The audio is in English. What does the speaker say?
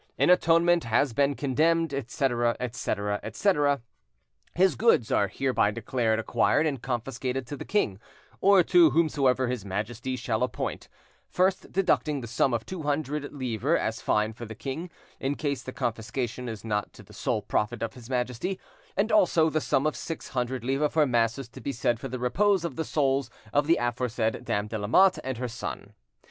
"In atonement has been condemned, etc. etc. etc. "His goods are hereby declared acquired and confiscated to the King, or to whomsoever His Majesty shall appoint, first deducting the sum of two hundred livres as fine for the King, in case the confiscation is not to the sole profit of His Majesty; and also the sum of six hundred livres for masses to be said for the repose of the souls of the aforesaid Dame de Lamotte and her son.